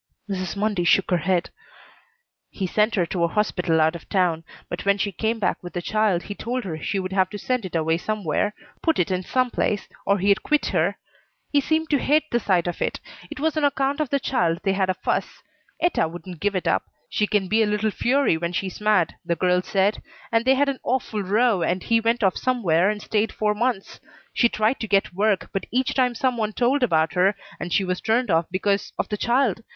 Mrs. Mundy shook her head. "He sent her to a hospital out of town, but when she came back with the child he told her she would have to send it away somewhere, put it in some place, or he'd quit her. He seemed to hate the sight of it. It was on account of the child they had a fuss. Etta wouldn't give it up. She can be a little fury when she's mad, the girl said, and they had an awful row and he went off somewhere and stayed four months. She tried to get work, but each time some one told about her and she was turned off because of the child.